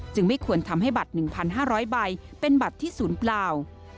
ไม่ควรทำให้บัตร๑๕๐๐ใบเป็นบัตรที่ศูนย์เปล่า